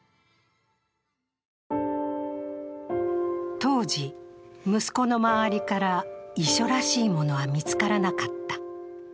当時、息子の周りから遺書らしいものは見つからなかった。